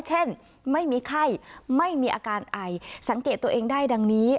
เช่นไม่มีไข้ไม่มีอาการไอสังเกตตัวเองได้ดังนี้